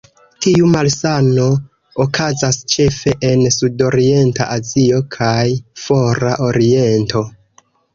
Tiu malsano okazas ĉefe en Sudorienta Azio kaj Fora Oriento.